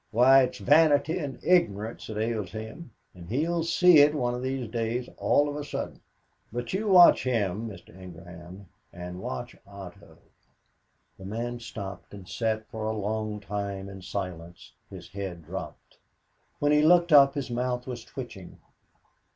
Why, it's vanity and ignorance that ails him, and he'll see it one of these days all of a sudden but you watch him, Mr. Ingraham, and watch Otto." The man stopped and sat for a long time in silence, his head dropped. When he looked up his mouth was twitching.